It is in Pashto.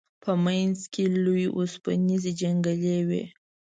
په منځ کې لوی اوسپنیزې جنګلې وې.